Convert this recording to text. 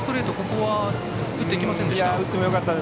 ここは打ってきませんでした。